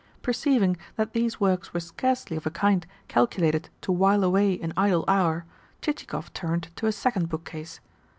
Perceiving that these works were scarcely of a kind calculated to while away an idle hour, Chichikov turned to a second bookcase.